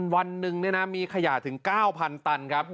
วันหนึ่งมีขยะถึง๙๐๐ตันครับ